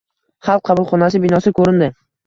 Xalq qabulxonasi binosi ko‘rindi.